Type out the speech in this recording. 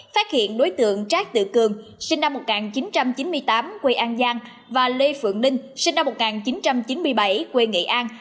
phát hiện đối tượng trác tự cường sinh năm một nghìn chín trăm chín mươi tám quê an giang và lê phượng ninh sinh năm một nghìn chín trăm chín mươi bảy quê nghệ an